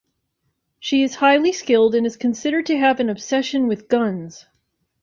She is highly skilled and is considered to have an obsession with guns.